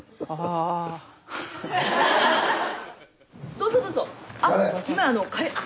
どうぞどうぞ。